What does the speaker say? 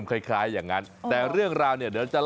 ก็คือนายเล็กนี่เล่าก่อนว่าเรื่องราวมันเป็นอย่างไร